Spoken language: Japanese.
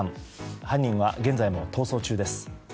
犯人は現在も逃走中です。